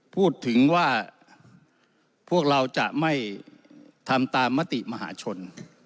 พูดถึงว่าพวกเราจะไม่ทำตามมติมหาชน